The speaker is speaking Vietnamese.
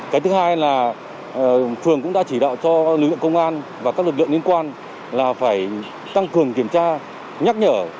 cái thứ hai là phường cũng đã chỉ đạo cho lực lượng công an và các lực lượng liên quan là phải tăng cường kiểm tra nhắc nhở